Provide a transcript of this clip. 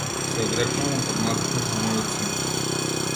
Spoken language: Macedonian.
Се одрекувам од одмаздата за мојот син.